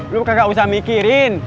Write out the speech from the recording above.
lu kagak usah mikirin